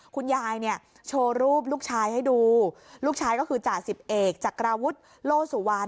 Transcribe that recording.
คุณยายเนี่ยโชว์รูปลูกชายให้ดูลูกชายก็คือจ่าสิบเอกจักราวุฒิโลสุวรรณ